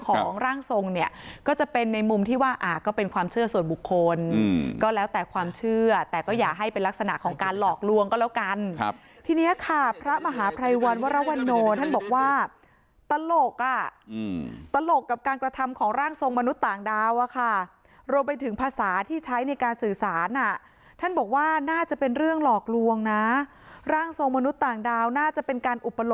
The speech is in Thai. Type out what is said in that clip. ของร่างทรงเนี้ยก็จะเป็นในมุมที่ว่าก็เป็นความเชื่อส่วนบุคคลอืมก็แล้วแต่ความเชื่อแต่ก็อย่าให้เป็นลักษณะของการหลอกลวงก็แล้วกันครับทีนี้ค่ะพระมหาภัยวรรณวรวรรณโนท่านบอกว่าตลกอ่ะอืมตลกกับการกระทำของร่างทรงมนุษย์ต่างดาวอ่ะค่ะรวมไปถึงภาษาที่ใช้ในการสื่อสารอ่ะท่านบอก